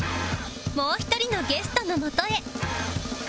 もう一人のゲストのもとへ